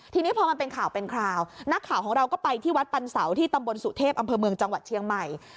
ทีนี้พอมันเป็นข่าวเป็นคราวนักข่าวของเราก็ไปที่วัดปันเสาที่ตำบลสุเทพอำเภอเมืองจังหวัดเชียงใหม่